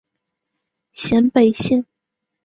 咸北线